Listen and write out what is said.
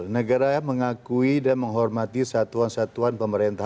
negara mengakui dan menghormati satuan satuan pemerintah